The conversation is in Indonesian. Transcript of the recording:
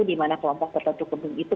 di mana kelompok tertentu kendung itu